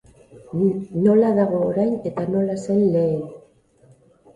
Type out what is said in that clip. Nola dago orain eta nola zen lehen.